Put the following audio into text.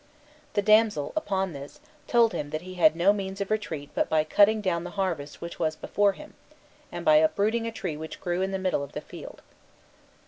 The damsel, upon this, told him that he had no means of retreat but by cutting down the harvest which was before him, and by uprooting a tree which grew in the middle of the field.